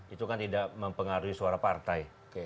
itu kan tidak mempengaruhi suara partai